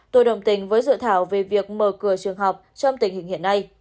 tôi đồng tình với dự thảo về việc mở cửa trường học trong tình hình hiện nay